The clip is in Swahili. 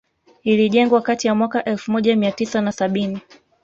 Ilijengwa kati ya mwaka elfu moja mia tisa na sabini